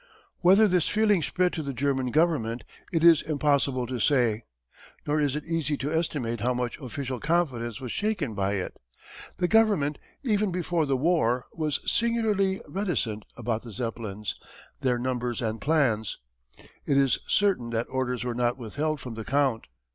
Whether this feeling spread to the German Government it is impossible to say. Nor it is easy to estimate how much official confidence was shaken by it. The government, even before the war, was singularly reticent about the Zeppelins, their numbers and plans. It is certain that orders were not withheld from the Count.